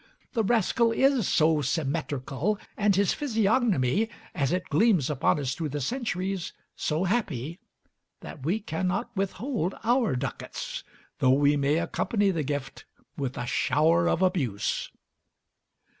The rascal is so symmetrical, and his physiognomy, as it gleams upon us through the centuries, so happy, that we cannot withhold our ducats, though we may accompany the gift with a shower of abuse.